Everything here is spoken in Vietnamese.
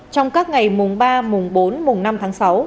trong các ngày mùng ba mùng bốn mùng năm tháng sáu